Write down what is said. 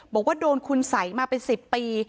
บอกว่าโดนคุณสัยมาเป็น๑๐ปี